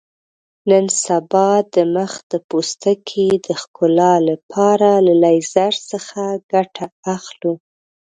نن سبا د مخ د پوستکي د ښکلا لپاره له لیزر څخه ګټه اخلو.